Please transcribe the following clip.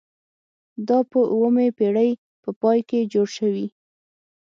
دا په اوومې پیړۍ په پای کې جوړ شوي.